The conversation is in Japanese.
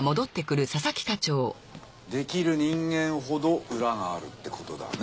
できる人間ほど裏があるってことだね。